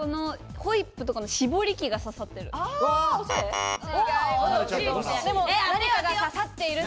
ホイップとかの絞り器が刺さってる。